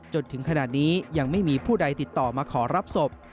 จนถึงขณะนี้ยังไม่มีผู้ใดติดต่อมาขอรับศพ